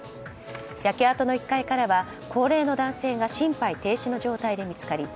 焼け跡の１階からは高齢の男性が心肺停止の状態で見つかり